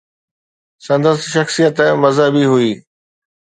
سندس شخصيت مذهبي هئي.